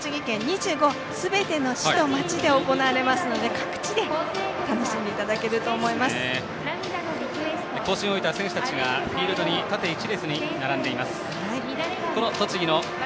競技というのは栃木県２５すべての市と町で行われますので各地で楽しんでいただけると行進を終えた選手がフィールドに縦１列に並んでいます。